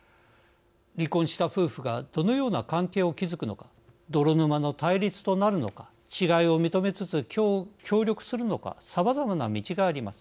離婚した夫婦がどのような関係を築くのか泥沼の対立となるのか違いを認めつつ協力するのかさまざまな道があります。